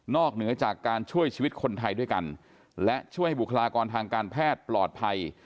เหนือจากการช่วยชีวิตคนไทยด้วยกันและช่วยให้บุคลากรทางการแพทย์ปลอดภัย